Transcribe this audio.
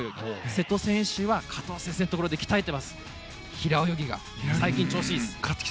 瀬戸選手は加藤先生のところで鍛えている平泳ぎが最近調子いいです。